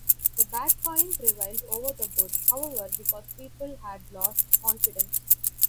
The bad coin prevailed over the good, however, because people had lost confidence.